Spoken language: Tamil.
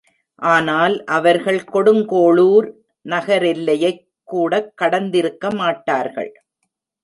ஆனால் அவர்கள் கொடுங்கோளூர் நகரெல்லையைக்கூடக் கடந்திருக்கமாட்டார்கள்.